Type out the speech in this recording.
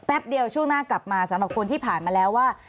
เดียวช่วงหน้ากลับมาสำหรับคนที่ผ่านมาแล้วว่า